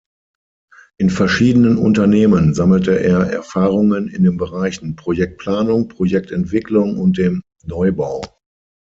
In verschiedenen Unternehmen sammelte er Erfahrungen in den Bereichen Projektplanung, Projektentwicklung und dem Neubau.